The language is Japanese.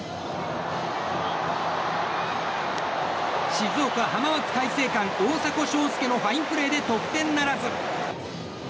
静岡・浜松開誠館、大迫翔輔のファインプレーで得点ならず。